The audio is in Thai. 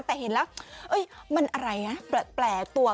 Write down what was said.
แต่เห็นแล้วมันอะไรนะแปลกตัว